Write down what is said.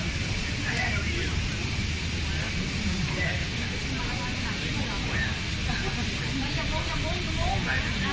สถานที่ดีน้ำคลานวัดพรุ่งอาทิตย์ตะวันชาวเจ้า